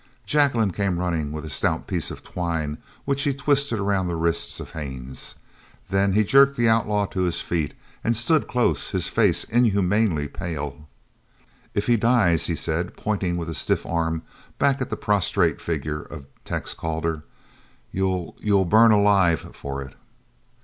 Jacqueline came running with a stout piece of twine which he twisted around the wrists of Haines. Then he jerked the outlaw to his feet, and stood close, his face inhumanly pale. "If he dies," he said, pointing with a stiff arm back at the prostrate figure of Tex Calder, "you you'll burn alive for it!"